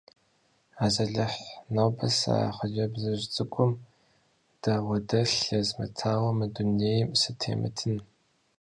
Азалыхь, нобэ сэ а хъыджэбзыжь цӀыкӀум дауэдэлъ езмытауэ мы дунейм сытемытын.